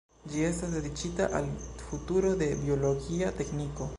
Ĝi estas dediĉita al futuro de biologia tekniko.